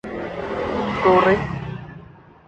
ซูริค